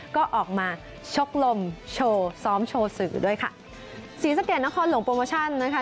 ก็ออกมาชกลมโชว์ซ้อมโชว์สื่อด้วยค่ะศรีสะเกดนครหลวงโปรโมชั่นนะคะ